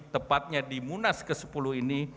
tepatnya di munas ke sepuluh ini